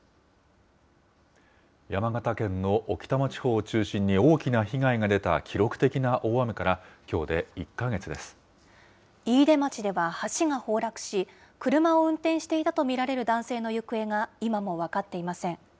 山形県の置賜地方を中心に大きな被害が出た記録的な大雨から飯豊町では橋が崩落し、車を運転していたと見られる男性の行方が今も分かっていません。